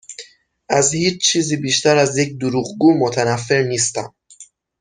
از هیچ چیزی بیشتر از یک دروغگو متنفر نیستم.